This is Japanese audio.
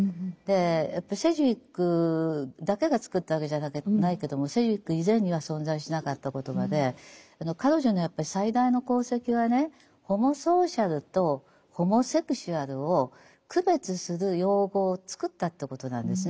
やっぱりセジウィックだけが作ったわけじゃないけどもセジウィック以前には存在しなかった言葉で彼女のやっぱり最大の功績はねホモソーシャルとホモセクシュアルを区別する用語を作ったということなんですね。